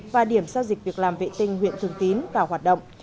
và điểm giao dịch việc làm vệ tinh huyện thường tín vào hoạt động